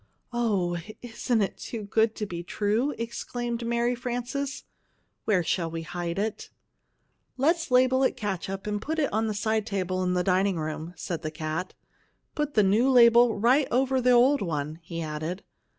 "Oh, isn't it too good to be true!" exclaimed Mary Frances. "Where shall we hide it?" "Let's label it CATSUP and put it on the side table in the dining room," said the cat. "Put the new label right over the old one," he added.